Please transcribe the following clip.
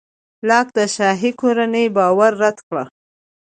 لاک د شاهي کورنیو باور رد کړ.